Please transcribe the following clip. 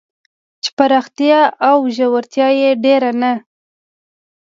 چې پراختیا او ژورتیا یې ډېر نه